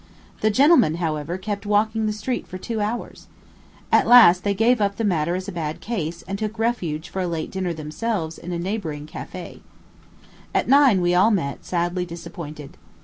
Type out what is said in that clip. The gentlemen, however, kept walking the street for two hours. At last they gave up the matter as a bad case, and took refuge for a late dinner by themselves in a neighboring café. At nine we all met, sadly disappointed.